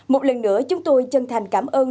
một lần nữa chúng tôi chân thành cảm ơn